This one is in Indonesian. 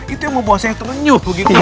itu yang membawa saya terlenyuh begitu